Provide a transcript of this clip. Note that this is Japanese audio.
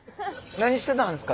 何してたんですか？